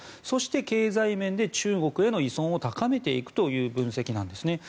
そして経済面で中国への依存を高めていくという分析なんです。